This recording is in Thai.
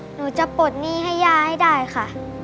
หนูจะปลดหนี้ให้ย่าให้ได้ค่ะ